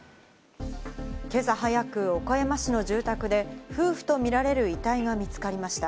今朝早く岡山市の住宅で夫婦とみられる遺体が見つかりました。